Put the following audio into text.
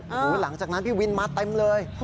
โอ้โหหลังจากนั้นพี่วินมาเต็มเลย